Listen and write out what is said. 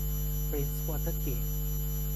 ปรินซ์วอเตอร์เกท